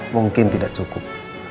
mungkin tidak cukup